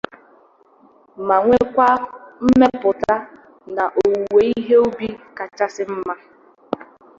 ma nwekwa mmepụta na owuwe ihe ubi kachasị mma